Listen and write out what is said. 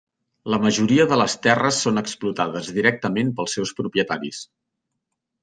La majoria de les terres són explotades directament pels seus propietaris.